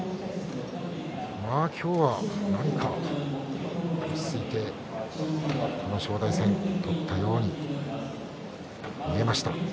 今日は落ち着いて正代戦相撲を取ったように見えました。